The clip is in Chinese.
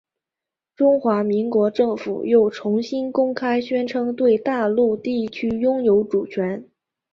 中华民国政府又重新公开宣称对大陆地区拥有主权。